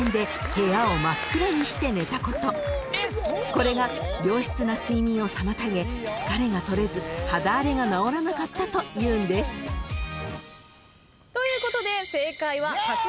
［これが良質な睡眠を妨げ疲れが取れず肌荒れが治らなかったというんです］ということで正解は勝俣さん近藤さんです。